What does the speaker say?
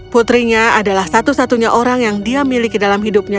putrinya adalah satu satunya orang yang dia miliki dalam hidupnya